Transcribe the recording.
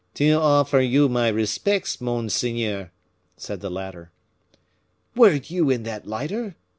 "To offer you my respects, monseigneur," said the latter. "Were you in that lighter?"